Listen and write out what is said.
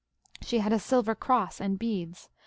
" She had a silver cross and beads.